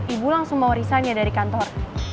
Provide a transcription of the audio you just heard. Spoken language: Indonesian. ibu langsung mau risanya dari kantor